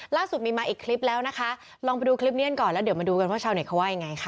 ล่าสุดมีมาอีกคลิปแล้วนะคะลองไปดูคลิปนี้กันก่อนแล้วเดี๋ยวมาดูกันว่าชาวเน็ตเขาว่ายังไงค่ะ